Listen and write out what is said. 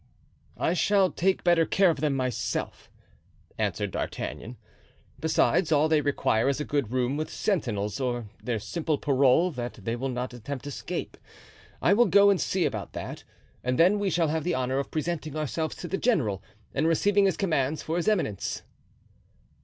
"I shall take better care of them myself," answered D'Artagnan; "besides, all they require is a good room, with sentinels, or their simple parole that they will not attempt escape. I will go and see about that, and then we shall have the honor of presenting ourselves to the general and receiving his commands for his eminence."